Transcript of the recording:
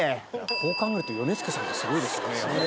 こう考えるとヨネスケさんってすごいですよね。